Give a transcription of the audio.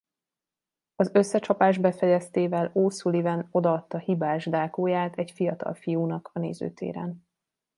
Az összecsapás befejeztével O’Sullivan odaadta hibás dákóját egy fiatal fiúnak a nézőtéren.